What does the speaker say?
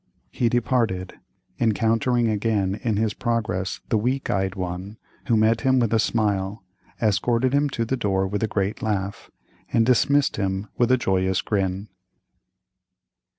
He departed, encountering again in his progress the weak eyed one, who met him with a smile, escorted him to the door with a great laugh, and dismissed him with a joyous grin.